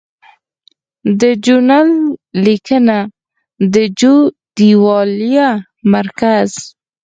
د جو نل لیکنه او د جو دیوالیه مرکز